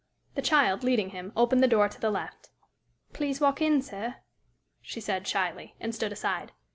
The child, leading him, opened the door to the left. "Please walk in, sir," she said, shyly, and stood aside.